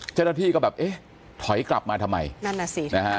เจ้าหน้าที่ก็แบบเอ๊ะถอยกลับมาทำไมนั่นน่ะสินะฮะ